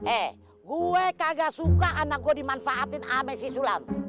eh gue kagak suka anak gua dimanfaatin ama si sulam